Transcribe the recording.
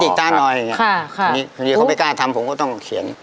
ใครไม่กล้าจะทำก็ต้องเขียน